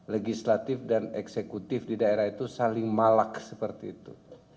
legislatif dan eksekutif di daerah itu saling malak seperti itu